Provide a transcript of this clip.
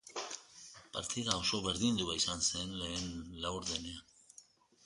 Partida oso berdindua izan zen lehen laurdenean.